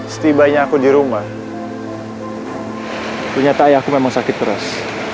setibanya aku di rumah ternyata ayahku memang sakit keras